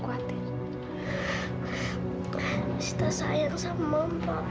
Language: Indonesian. kuatir kita sayang sama papa kita juga sayang kamu sih sini sayang ya